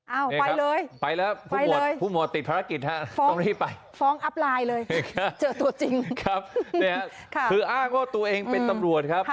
เอาไปเลยไปแล้วผู้หมดผู้หมดติดภารกิจฮะฟ้องรีบไปฟ้องอัพไลน์เลยเจอตัวจริงครับเนี่ยคืออ้างว่าตัวเองเป็นตำรวจครับ